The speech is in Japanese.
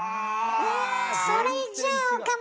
それじゃあ岡村